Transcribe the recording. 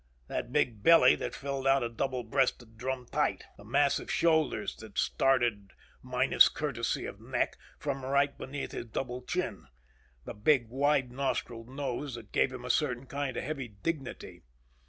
That big belly that filled out a double breasted drum tight. The massive shoulders that started minus courtesy of neck from right beneath his double chin. The big, wide nostrilled nose that gave him a certain kind of heavy dignity.